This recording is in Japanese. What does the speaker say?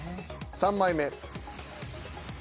３枚目。